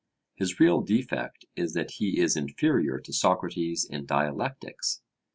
His real defect is that he is inferior to Socrates in dialectics.